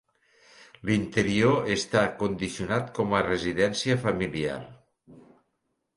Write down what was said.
L'interior està condicionat com a residència familiar.